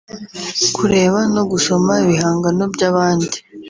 kureba no gusoma ibihangano by’abandi